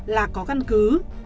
là có căn cứ